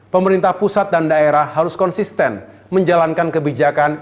pemerintah pusat dan daerah harus konsisten menjalankan kebijakan